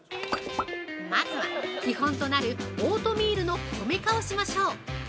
まずは基本となるオートミールの米化をしましょう。